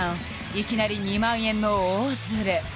いきなり２００００円の大ズレ